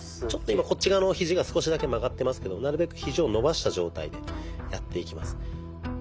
ちょっと今こっち側のひじが少しだけ曲がってますけどなるべくひじを伸ばした状態でやっていきます。